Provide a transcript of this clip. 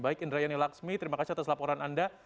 baik indra yani laxmi terima kasih atas laporan anda